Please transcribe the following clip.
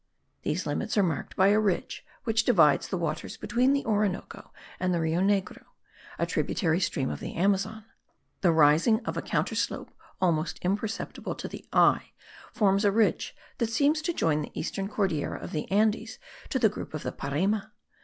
These limits are marked by a ridge which divides the waters between the Orinoco and the Rio Negro, a tributary stream of the Amazon. The rising of a counter slope almost imperceptible to the eye, forms a ridge that seems to join the eastern Cordillera of the Andes to the group of the Parime.